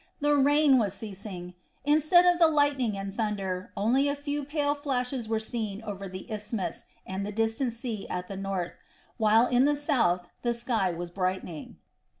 The rain was ceasing; instead of the lightning and thunder only a few pale flashes were seen over the isthmus and the distant sea at the north, while in the south the sky was brightening.